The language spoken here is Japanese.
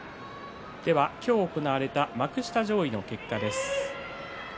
今日行われた幕下上位の結果です。